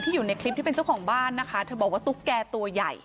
อยู่ในคลิปที่เป็นเจ้าของบ้านนะคะเธอบอกว่าตุ๊กแก่ตัวใหญ่